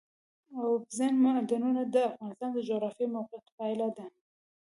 اوبزین معدنونه د افغانستان د جغرافیایي موقیعت پایله ده.